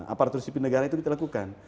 aparatur sipil negara itu kita lakukan